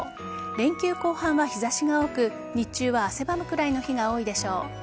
連休後半は日差しが多く日中は汗ばむくらいの日が多いでしょう。